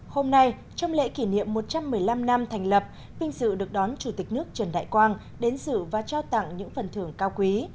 hôm nay trong lễ kỷ niệm một trăm một mươi năm năm thành lập vinh dự được đón chủ tịch nước trần đại quang đến sự và trao tặng những phần thưởng cao quý